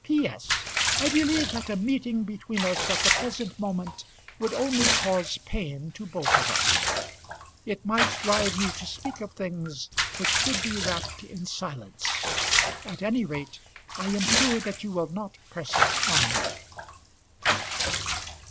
P.S. I believe that a meeting between us at the present moment would only cause pain to both of us. It might drive you to speak of things which should be wrapped in silence. At any rate, I am sure that you will not press it on me.